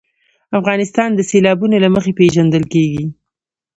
افغانستان د سیلابونه له مخې پېژندل کېږي.